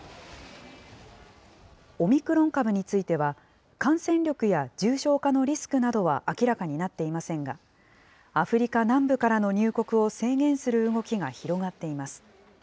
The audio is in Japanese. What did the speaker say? オミクロン株については、感染力や重症化のリスクなどは明らかになっていませんが、アフリカ南部からの入国を制限する動きが広がっています。